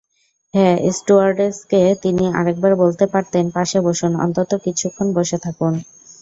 হ্যাঁ, স্টুয়ার্ডেসকে তিনি আরেকবার বলতে পারতেন পাশে বসুন, অন্তত কিছুক্ষণ বসে থাকুন।